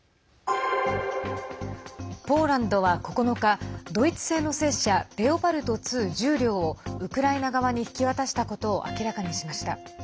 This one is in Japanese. ポーランドは９日ドイツ製の戦車レオパルト２、１０両をウクライナ側に引き渡したことを明らかにしました。